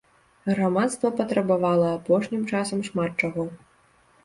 Грамадства патрабавала апошнім часам шмат чаго.